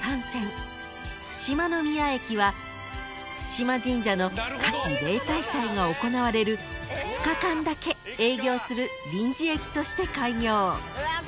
［津嶋神社の夏季例大祭が行われる２日間だけ営業する臨時駅として開業］